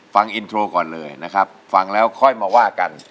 ฟังอินโทรก่อนเลยนะครับฟังแล้วค่อยมาว่ากัน